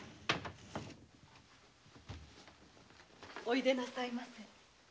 おいでなさいませ。